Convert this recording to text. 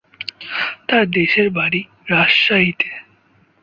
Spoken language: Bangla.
তার দেশের বাড়ি রাজশাহীতে।